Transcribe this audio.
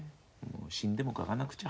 死んでも描かなくちゃ。